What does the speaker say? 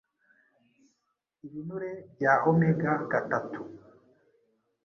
ibinure bya omega gatatu